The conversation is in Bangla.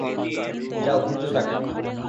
যাও খুঁজো তাকে।